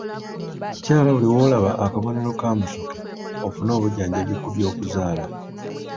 Kyama buli w'olaba akabonero ka musoke ofune obujjanjabi ku by'okuzaala.